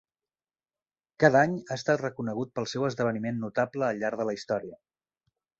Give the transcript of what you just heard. Cada any ha estat reconegut pel seu esdeveniment notable al llarg de la història.